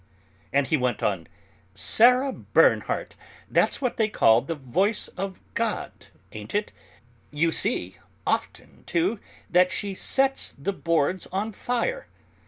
And he went on, "Sarah Bernhardt; that's what they call the Voice of God, ain't it? You see, often, too, that she 'sets the boards on fire.'